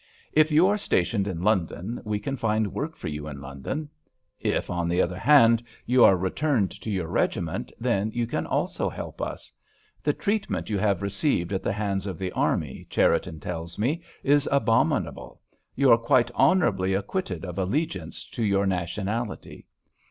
If you are stationed in London we can find work for you in London. If, on the other hand, you are returned to your regiment, then you can also help us. The treatment you have received at the hands of the army, Cherriton tells me, is abominable. You are quite honourably acquitted of allegiance to your nationality.